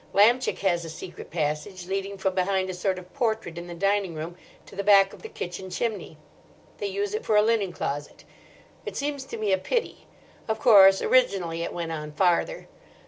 Lamchick has a secret passage, leading from behind a sort of portrait in the dining room to the back of the kitchen chimney. They use it for a linen closet. It seems to me a pity. Of course originally it went on farther.